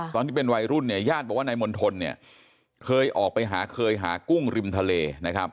ตอนที่เป็นวัยรุ่นเนี่ยญาติบอกว่านายมณฑลเนี่ยเคยออกไปหาเคยหากุ้งริมทะเลนะครับ